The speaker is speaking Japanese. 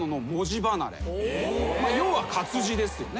要は活字ですよね。